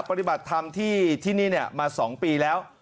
ปฏิบัติธรรมที่นี่มา๒ปีแล้ว